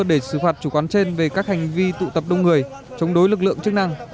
để xử phạt chủ quán trên về các hành vi tụ tập đông người chống đối lực lượng chức năng